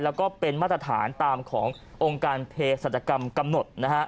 แล้วก็เป็นมาตรฐานตามขององค์การเพศรัชกรรมกำหนดนะฮะ